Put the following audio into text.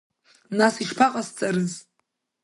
Нас ишԥаҟасҵарыз?